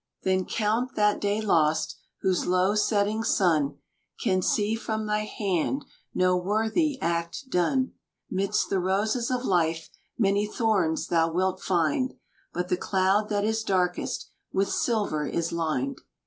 "Then count that day lost, whose low setting sun Can see from thy hand no worthy act done." Midst the roses of life many thorns thou wilt find, "But the cloud that is darkest, with silver is lined."